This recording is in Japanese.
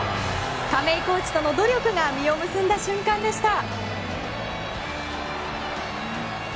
亀井コーチとの努力が実を結んだ瞬間でした。